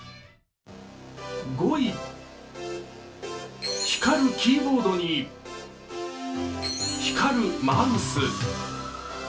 ５位、光るキーボードに光るマウス。